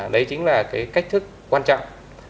đấy chính là cái cách thức quan trọng